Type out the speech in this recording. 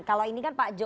kalau ini kan pak